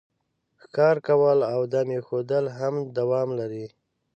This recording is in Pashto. ښکار کول او دام ایښودل هم دوام لري